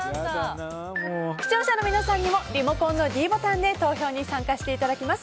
視聴者の皆さんにもリモコンのｄボタンで投票に参加していただきます。